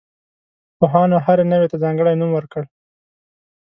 پوهانو هرې نوعې ته ځانګړی نوم ورکړ.